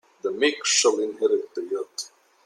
The meek shall inherit the earth.